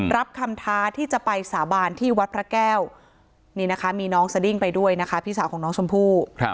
รับคำท้าที่จะไปสาบานที่วัดพระแก้วนี่นะคะมีน้องสดิ้งไปด้วยนะคะพี่สาวของน้องชมพู่